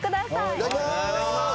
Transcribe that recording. いただきます。